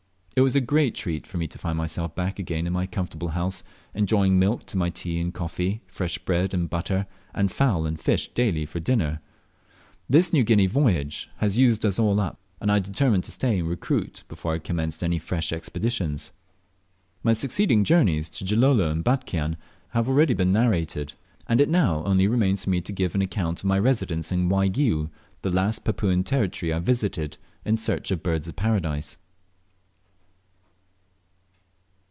It was a great treat to me to find myself back again in my comfortable house, enjoying milk to my tea and coffee, fresh bread and butter, and fowl and fish daily for dinner. This New Guinea voyage had used us all up, and I determined to stay and recruit before I commenced any fresh expeditions. My succeeding journeys to Gilolo and Batchian have already been narrated, and if; now only remains for me to give an account of my residence in Waigiou, the last Papuan territory I visited in search of Birds of Paradise.